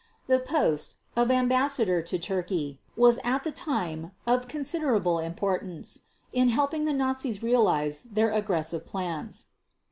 The post, of Ambassador to Turkey was at the time of considerable importance in helping the Nazis realize their aggressive plans.